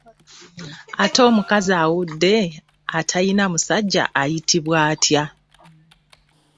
Ate omukazi awudde atalina musajja ye ayitibwa atya?